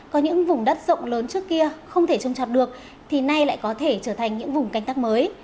có những vùng đất rộng lớn trước kia không thể trông chọc được thì nay lại có thể trở thành những vùng canh tác mới